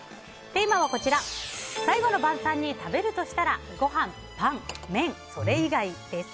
テーマは最後の晩さんに食べるとしたらご飯・パン・麺・それ以外です。